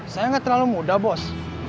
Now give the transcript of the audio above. saya nggak terlalu muda bos